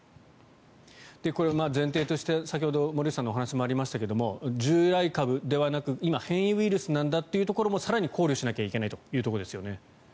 これを前提として先ほど森内さんのお話もありましたが従来株ではなく、今変異ウイルスなんだということも更に考慮しなければいけないというところですよね。